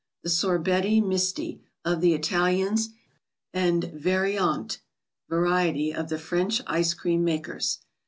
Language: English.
The Sorbetti Misti, of the Italians, and Vari ante (variety), of the French ice cream makers.